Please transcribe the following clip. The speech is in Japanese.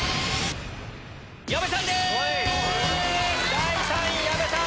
第３位矢部さん